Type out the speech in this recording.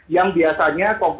yang biasanya komplit